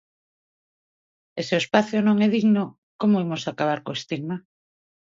E se o espazo non é digno, como imos acabar co estigma?